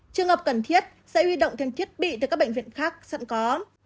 trường hợp cần thiết sẽ huy động thêm thiết bị từ các bệnh viện khác sẵn có